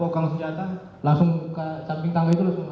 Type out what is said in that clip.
kalau senjata langsung ke samping tangga itu